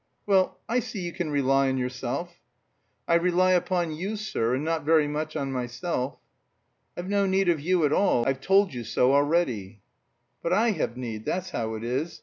"Well, I see you can rely on yourself!" "I rely upon you, sir, and not very much on myself...." "I've no need of you at all. I've told you so already." "But I have need, that's how it is!